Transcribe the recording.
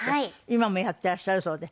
今もやっていらっしゃるそうで。